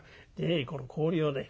この氷をね